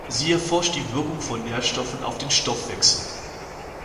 Sie erforscht die Wirkung von Nährstoffen auf den Stoffwechsel.